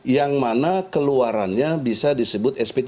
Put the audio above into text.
yang mana keluarannya bisa disebut sp tiga